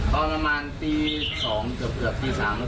ประมาณปีที่๒เฉพาะปีนี้